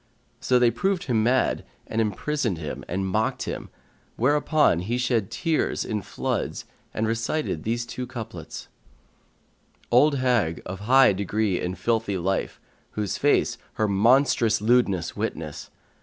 So they proved him mad and imprisoned him and mocked at him, where upon he shed tears in floods and recited these two couplets, "Old hag, of high degree in filthy life, * Whose face her monstrous lewdness witnesses.